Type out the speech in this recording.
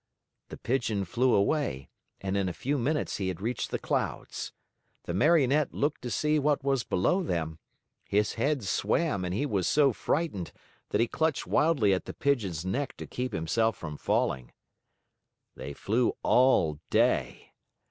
The Pigeon flew away, and in a few minutes he had reached the clouds. The Marionette looked to see what was below them. His head swam and he was so frightened that he clutched wildly at the Pigeon's neck to keep himself from falling. They flew all day.